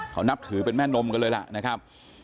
เขานับถือเป็นแม่นมกันเลยล่ะนะครับ